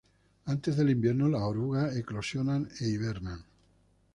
Antes del invierno, las orugas eclosionan e hibernan.